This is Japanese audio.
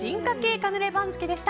カヌレ番付でした。